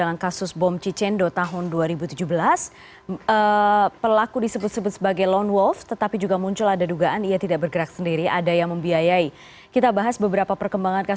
mas haider terima kasih